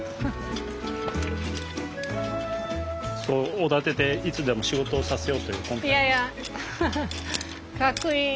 そうおだてていつでも仕事をさせようという魂胆。